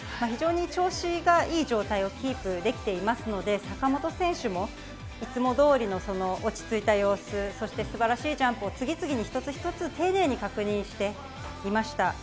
非常に調子がいい状態をキープできていますので坂本選手もいつもどおりの落ち着いた様子そして素晴らしいジャンプを次々に一つ一つ丁寧に確認していました。